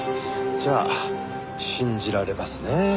じゃあ信じられますね。